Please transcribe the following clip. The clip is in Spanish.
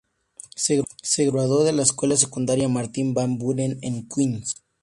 Se graduó de la Escuela Secundaria Martin Van Buren en Queens.